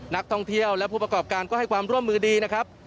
นักท่องเที่ยวและผู้ประกอบการก็ให้ความร่วมมือดีนะครับ